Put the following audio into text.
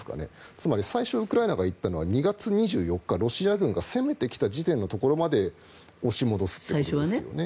つまり最初ウクライナが言ったのは２月２４日ロシア軍が攻めてきた時点のところまで押し戻すということですよね。